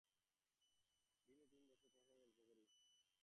বিনু, তুমি বস, তোমার সঙ্গে গল্প করি।